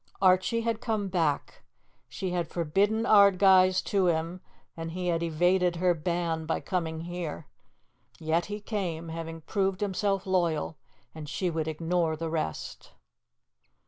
Archie had come back. She had forbidden Ardguys to him and he had evaded her ban by coming here. Yet he came, having proved himself loyal, and she would ignore the rest.